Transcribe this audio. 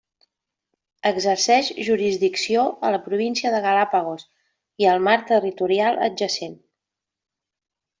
Exerceix jurisdicció a la província de Galápagos i el mar territorial adjacent.